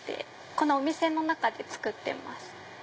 このお店の中で作ってます。